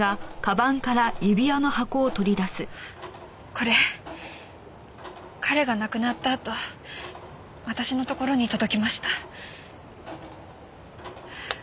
これ彼が亡くなったあと私のところに届きました。